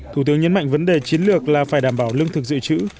thủ tướng nhấn mạnh vấn đề chiến lược là phải đảm bảo lương thực dự trữ